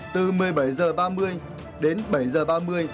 từ một mươi bảy h ba mươi đến bảy h ba mươi